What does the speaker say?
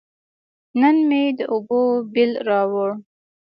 نن مې د اوبو بیل راووړ.